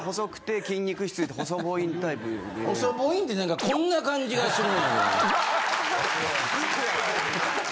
細ボインってなんかこんな感じがする。